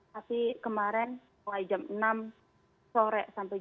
tapi kemarin mulai jam enam sore sampai jam